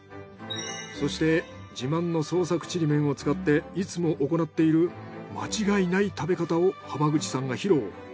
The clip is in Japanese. そして自慢の創作ちりめんを使っていつも行っている間違いない食べ方を濱口さんが披露。